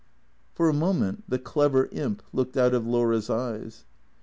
For a moment the clever imp looked out of Laura's eyes.